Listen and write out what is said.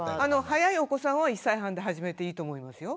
早いお子さんは１歳半で始めていいと思いますよ。